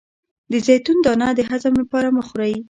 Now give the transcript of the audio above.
د زیتون دانه د هضم لپاره مه خورئ